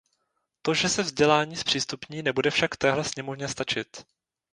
To, že se vzdělání zpřístupní, nebude však téhle sněmovně stačit.